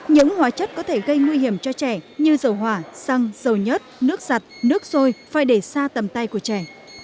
những hóa chất có thể gây nguy hiểm cho trẻ như dầu hỏa xăng dầu nhớt nước giặt nước sôi phải để xa tầm tay của trẻ